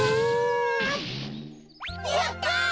やった！